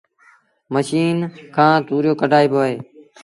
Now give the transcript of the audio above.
مشيٚن کآݩ تُوريو ڪڍآئيبو اهي